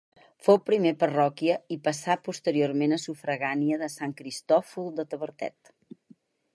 Fou primer parròquia i passà posteriorment a sufragània de Sant Cristòfol de Tavertet.